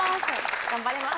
頑張ります